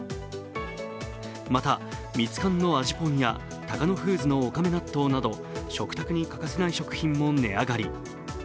また、ミツカンの味ぽんやタカノフーズのおかめ納豆など食卓に欠かせない食品も値上がり。